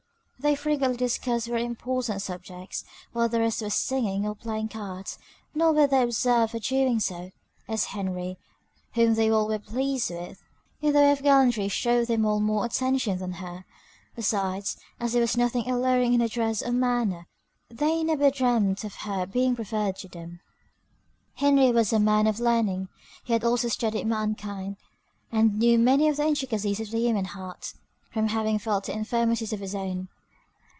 They frequently discussed very important subjects, while the rest were singing or playing cards, nor were they observed for doing so, as Henry, whom they all were pleased with, in the way of gallantry shewed them all more attention than her. Besides, as there was nothing alluring in her dress or manner, they never dreamt of her being preferred to them. Henry was a man of learning; he had also studied mankind, and knew many of the intricacies of the human heart, from having felt the infirmities of his own.